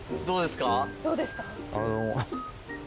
どうですか？